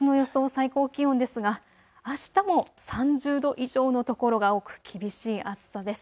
最高気温ですがあしたも３０度以上の所が多く厳しい暑さです。